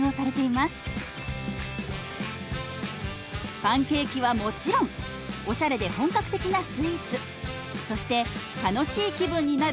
パンケーキはもちろんおしゃれで本格的なスイーツそして楽しい気分になる